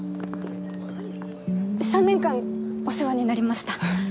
３年間お世話になりました。